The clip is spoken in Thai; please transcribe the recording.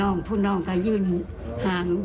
นอกผู้นอนก็ยืนหามวิว